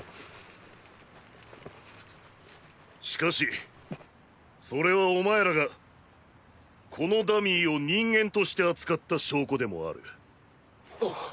しかしそれはお前らがこのダミーを“人間”として扱った証拠でもある。